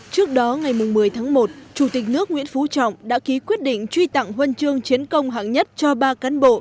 trước đó ngày một mươi tháng một chủ tịch nước nguyễn phú trọng đã ký quyết định truy tặng huân chương chiến công hạng nhất cho ba cán bộ